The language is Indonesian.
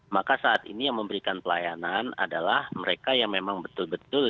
maka saat ini yang memberikan pelayanan adalah mereka yang memang betul betul